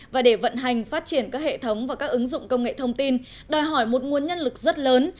và để vận hành phát triển các hệ thống và các ứng dụng công nghệ thông tin đòi hỏi một nguồn nhân lực rất lớn